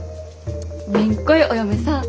めんこいお嫁さん。